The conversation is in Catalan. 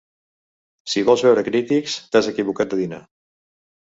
Si vols veure crítics, t'has equivocat de dinar.